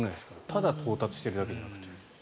ただ到達しているだけじゃなくて。